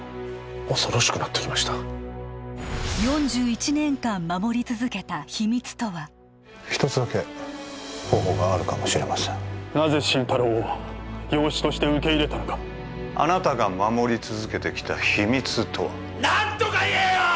恐ろしくなってきました一つだけ方法があるかもしれませんなぜ心太朗を養子として受け入れたのかあなたが守り続けてきた秘密とは何とか言えよ！